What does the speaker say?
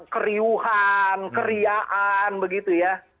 keriuhan keriaan begitu ya